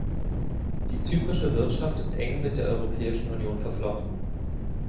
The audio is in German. Die zyprische Wirtschaft ist eng mit der Europäischen Union verflochten.